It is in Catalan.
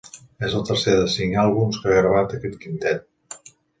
És el tercer de cinc àlbums que ha gravat aquest quintet.